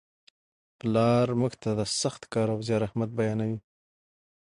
پلار موږ ته د سخت کار او زیار اهمیت بیانوي.